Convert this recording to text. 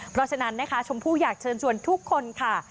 เพราะฉะนั้นนะคะชมพู่อยากเชิญชวนทุกคนค่ะ